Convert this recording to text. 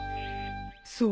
そう。